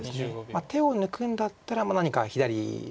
手を抜くんだったら何か左下方面です。